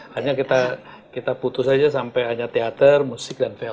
hanya kita putus saja sampai hanya teater musik dan film